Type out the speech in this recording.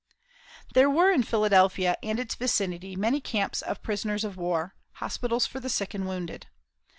There were in Philadelphia and its vicinity many camps of prisoners of war, hospitals for the sick and wounded.